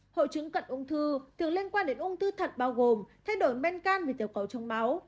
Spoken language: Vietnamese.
hội chứng cận ung thư thường liên quan đến ung thư thận bao gồm thay đổi men can vì tiểu cầu trong máu